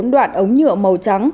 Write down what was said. một mươi bốn đoạn ống nhựa màu trắng